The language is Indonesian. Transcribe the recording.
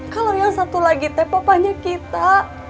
kalo yang satu lagi teh papanya kita